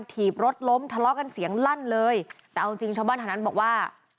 ถีบรถล้มทะเลาะกันเสียงลั่นเลยแต่เอาจริงจริงชาวบ้านแถวนั้นบอกว่า